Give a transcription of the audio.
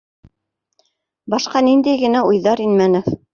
Башҡа ниндәй генә уйҙар инмәне!